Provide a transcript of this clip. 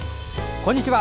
こんにちは。